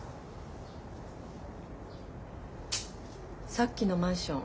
さっきのマンション